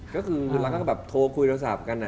ก็คือเราก็แบบโทรคุยโทรศัพท์กัน